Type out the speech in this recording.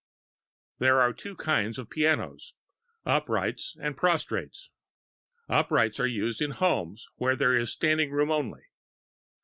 There are two kinds of pianos uprights and prostrates. Uprights are used in homes where there is standing room only.